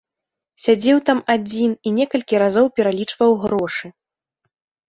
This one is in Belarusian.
Сядзеў там адзін і некалькі разоў пералічваў грошы.